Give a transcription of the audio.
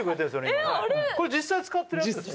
今これ実際使ってるやつですか？